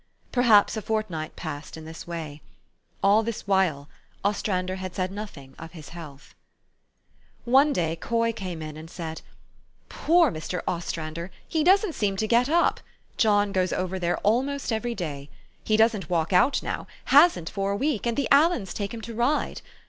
Perhaps a fortnight passed in this way. All this while, Ostrander had said nothing of his health. THE STORY OF AVIS. 199 One day Coy came in and said, " Poor Mr. Ostrander ! He doesn't seem to get up. John goes over there almost every day. He doesn't walk out now, hasn't for a week ; and the Aliens take him to ride.